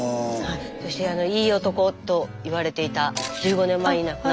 そしていい男と言われていた１５年前に亡くなった旦那さんがこちら。